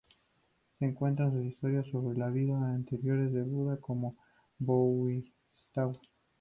Se cuentan historias sobre las vidas anteriores de Buda como un bodhisattva.